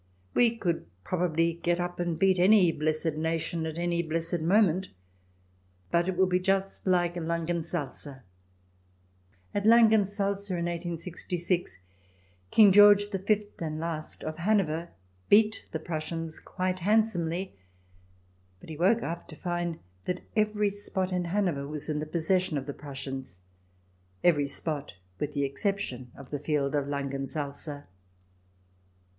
We could probably get up and beat any blessed nation at any blessed moment. But it would be just hke Langensalza. At Langensalza in 1866 King George V and last of Hanover beat the Prussians quite handsomely ; but he woke up to find that every spot in Hanover was in the possession of Prussians — every spot with the exception of the field of Langensalza.